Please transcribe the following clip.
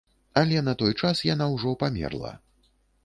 Але на той час яна ўжо памерла.